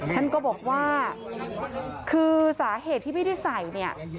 ท่านก็บอกว่าคือสาเหตุที่ไม่ได้ใส่เนี่ย